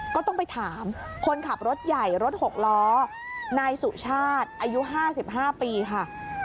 ก็ต้องไปถามคนขับรถใหญ่รถ๖ล้อนายสุชาติอายุ๕๕ปีค่ะ